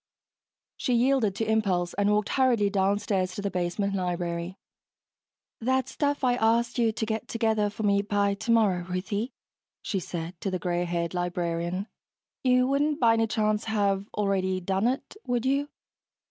She yielded to impulse and walked hurriedly downstairs to the basement library. "That stuff I asked you to get together for me by tomorrow, Ruthie," she said to the gray haired librarian. "You wouldn't by any chance have already done it, would you?"